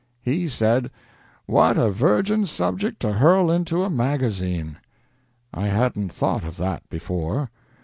He said, 'What a virgin subject to hurl into a magazine!' I hadn't thought of that before.